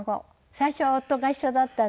最初は夫が一緒だったんですよ。